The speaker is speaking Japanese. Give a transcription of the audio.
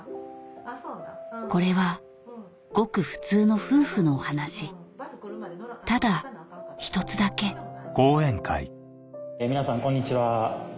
これはごく普通の夫婦のお話ただ一つだけ皆さんこんにちは。